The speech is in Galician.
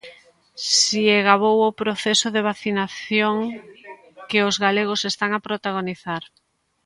Si, e gabou o proceso de vacinación, que os galegos están a protagonizar.